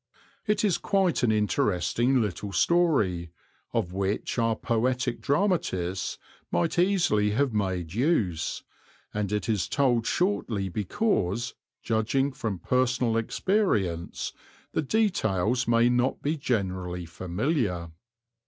It is quite an interesting little story, of which our poetic dramatists might easily have made use, and it is told shortly because, judging from personal experience, the details may not be generally familiar.